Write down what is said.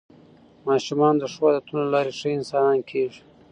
ماشومان د ښو عادتونو له لارې ښه انسانان کېږي